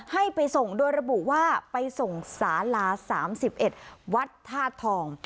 ให้ไปส่งโดยระบุว่าไปส่งสาลาศาสตร์สิบเอ็ดวัดธาตุทอง